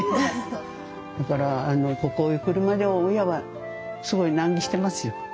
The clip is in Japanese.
だからここへ来るまで親はすごい難儀してますよ。